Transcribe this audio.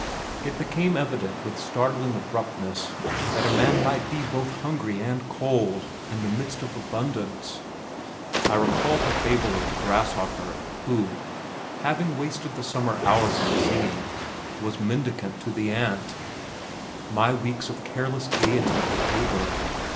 It became evident with startling abruptness, that a man might be both hungry and cold in the midst of abundance. I recalled the fable of the grasshopper who, having wasted the summer hours in singing, was mendicant to the ant. My weeks of careless gayety were over.